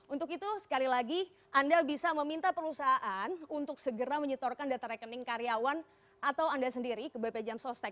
untuk itu sekali lagi anda bisa meminta perusahaan untuk segera menyetorkan data rekening karyawan atau anda sendiri ke bp jam sostek